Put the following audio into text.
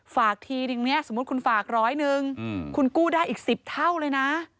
ทีนึงเนี่ยสมมุติคุณฝากร้อยหนึ่งคุณกู้ได้อีก๑๐เท่าเลยนะ